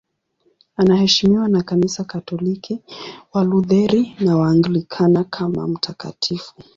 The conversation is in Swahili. Anaheshimiwa na Kanisa Katoliki, Walutheri na Waanglikana kama mtakatifu.